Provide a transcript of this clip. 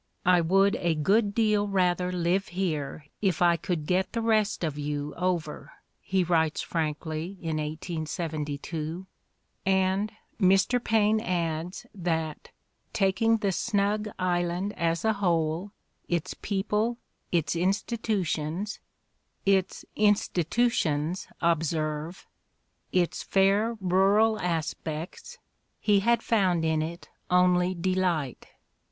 "I would a good deal rather live here if I could get the rest of you over," he vrrites frankly in 1872; and Mr. Paine adds that, "taking the snug island as a whole, its people, its institutions ''— its institutions, observe —'' its fair' rural aspects, he had found in it only delight."